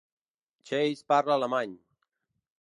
Chase parla alemany.